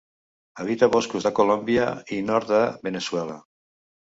Habita boscos de Colòmbia i nord de Veneçuela.